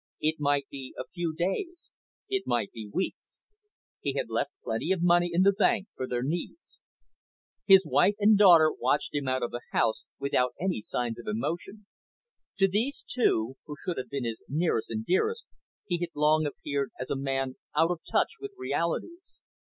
It might be a few days, it might be weeks. He had left plenty of money in the bank for their needs. His wife and daughter watched him out of the house without any signs of emotion. To these two, who should have been his nearest and dearest, he had long appeared as a man out of touch with realities.